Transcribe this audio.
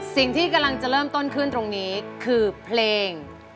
สิ่งที่กำลังจะเริ่มต้นขึ้นตรงนี้คือเพลง